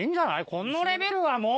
このレベルはもう。